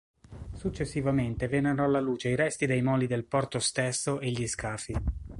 Successivamente vennero alla luce i resti dei moli del porto stesso e gli scafi.